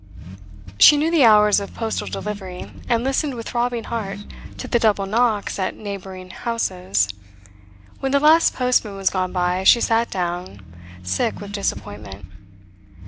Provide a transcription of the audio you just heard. She knew the hours of postal delivery, and listened with throbbing heart to the double knocks at neighbouring houses. When the last postman was gone by, she sat down, sick with disappointment.